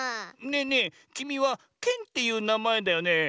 ねえねえきみはケンっていうなまえだよね？